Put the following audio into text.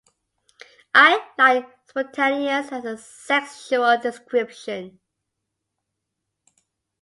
I like 'spontaneous' as a sexual description.